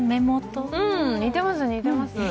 似てます、似てます。